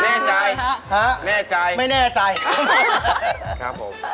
แน่ใจครับแน่ใจไม่แน่ใจครับ